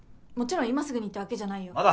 もちろん今すぐにってわけじゃないよ。